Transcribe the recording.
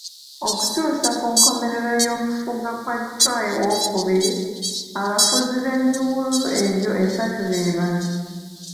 Okutuusa ku nkomerera y'okufuga kwa Chwa II, abafuzi ab'emiwululu egyo esatu be bano.